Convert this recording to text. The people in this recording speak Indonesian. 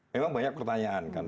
memang banyak pertanyaan kan